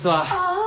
ああ！